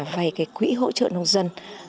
vay cái quỹ hỗ trợ nông dân